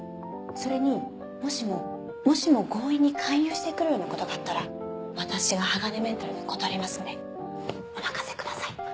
それにもしももしも強引に勧誘してくるようなことがあったら私が鋼メンタルで断りますんでお任せください。